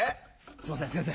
すいません先生